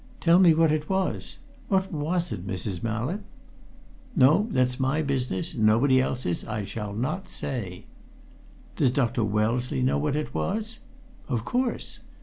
Tell me what it was. What was it, Mrs. Mallett?" "No! That's my business! Nobody else's. I shall not say." "Does Dr. Wellesley know what it was?" "Of course!"